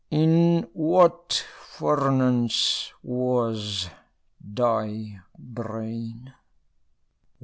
In what furnace was thy brain?